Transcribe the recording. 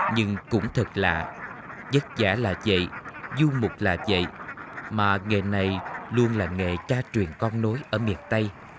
nhưng cũng thật lạ dứt dã là vậy du mục là vậy mà nghệ này luôn là nghệ tra truyền con nối ở miền tây